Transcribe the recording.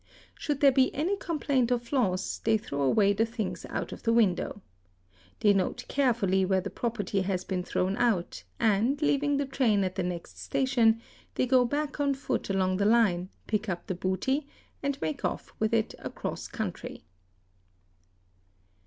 Should there be any complaint of loss, they throw aw: the things out of the window." They note carefully where the proper has been thrown out and, leaving the train at the next station, go back ¢ foot along the line, pick up the booty, and make off with it across country.